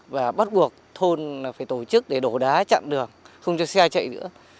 và bắt buộc thôn phải tổ chức để đổ đá chặn đường không cho xe chạy nữa